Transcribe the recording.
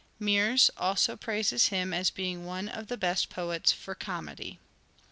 Meres also praises him as being one of the best poets for comedy."